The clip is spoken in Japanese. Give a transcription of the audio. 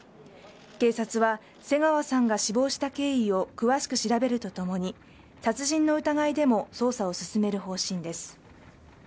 警察は瀬川さんが死亡した経緯を詳しく調べるとともに殺人の疑いでも捜査を進める方針です。